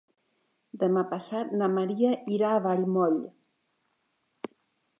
Demà passat na Maria irà a Vallmoll.